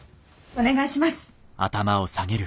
お願いします。